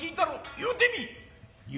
言うてみい！」